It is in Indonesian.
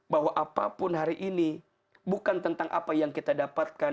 bahwa apapun hari ini bukan tentang apa yang kita dapatkan